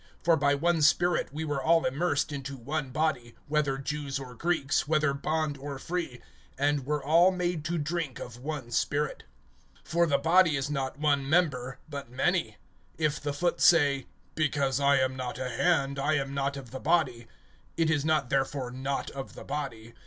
(13)For by one Spirit we were all immersed into one body, whether Jews or Greeks, whether bond or free; and were all made to drink of one Spirit. (14)For the body is not one member, but many. (15)If the foot say: Because I am not a hand, I am not of the body; it is not therefore not of the body.